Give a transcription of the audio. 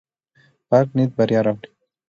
پاک نیت بریا راوړي.